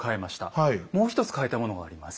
もう一つ変えたものがあります。